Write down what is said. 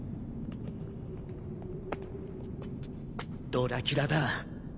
ドラキュラだ。